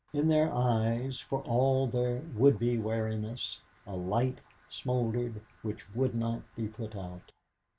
In their eyes, for all their would be wariness, a light smouldered which would not be put out.